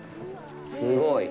すごい。